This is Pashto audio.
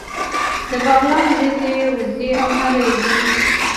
د بغلان وریجې اوږدې او نرۍ وي.